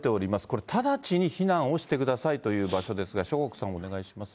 これ、直ちに避難をしてくださいという場所ですが、諸國さんお願いしま